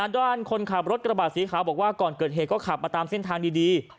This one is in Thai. ด้านคนขับรถกระบะสีขาวบอกว่าก่อนเกิดเหตุก็ขับมาตามเส้นทางดี